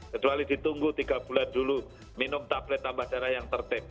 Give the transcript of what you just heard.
kecuali ditunggu tiga bulan dulu minum tablet tambah darah yang tertib